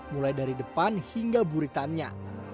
mulai dari depan hingga buritannya